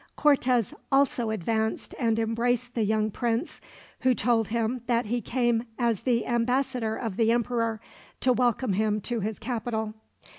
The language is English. Cortez also advanced and embraced the young prince, who told him that he came as the ambassador of the emperor, to welcome him to his capital.